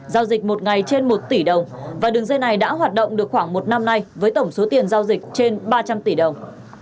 giao dịch một ngày trên một tỷ đồng và đường dây này đã hoạt động được khoảng một năm nay với tổng số tiền giao dịch trên ba trăm linh tỷ đồng